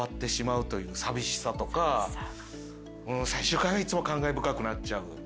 最終回はいつも感慨深くなっちゃう。